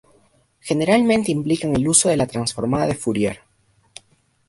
Generalmente implican el uso de la transformada de Fourier.